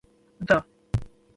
The.